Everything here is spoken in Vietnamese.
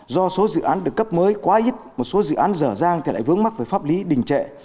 do số dự án được cấp mới quá ít một số dự án dở dang thì lại vướng mắc về pháp lý đình trệ